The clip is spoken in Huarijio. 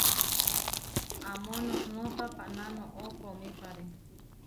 Amó noʼnó tapaná noʼó koomípare.